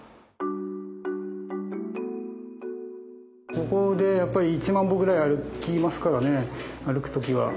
ここで１万歩ぐらい歩きますからね歩く時は。